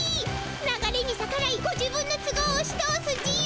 流れにさからいご自分の都合をおし通す自由さ。